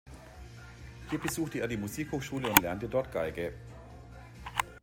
Hier besuchte er die Musikhochschule und lernte dort Geige.